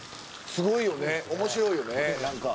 「すごいよね面白いよねなんか」